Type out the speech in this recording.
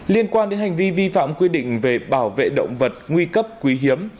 liên quan đến hành vi vi phạm quy định về bảo vệ động vật nguy cấp quý hiếm